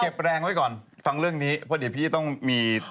แรงไว้ก่อนฟังเรื่องนี้เพราะเดี๋ยวพี่ต้องมี